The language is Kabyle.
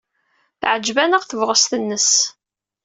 Teɛjeb-aneɣ tebɣest-nnes.